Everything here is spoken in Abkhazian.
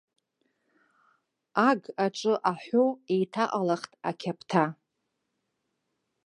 Аг-аҿы аҳәо еиҭаҟалахт ақьаԥҭа.